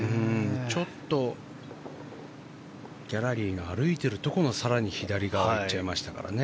ちょっとギャラリーが歩いているところの更に左側に行っちゃいましたからね。